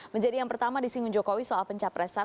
menjadi yang pertama disinggung jokowi soal pencapresan